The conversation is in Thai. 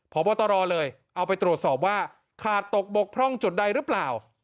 พบตรเลยเอาไปตรวจสอบว่าขาดตกบกพร่องจุดใดหรือเปล่า